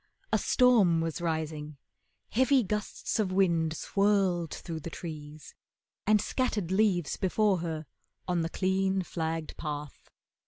A storm was rising, heavy gusts of wind Swirled through the trees, and scattered leaves before Her on the clean, flagged path.